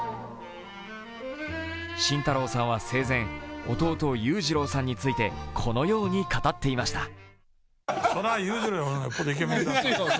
慎太郎さんは生前、弟・裕次郎さんについてこのように語っていました。